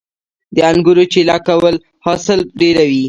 د انګورو چیله کول حاصل ډیروي